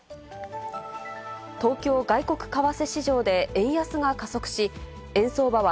東京外国為替市場で円安が加速し、円相場は